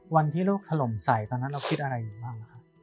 วันที่ลูกถล่มใส่ตอนนั้นเราคิดอะไรอยู่บ้างครับ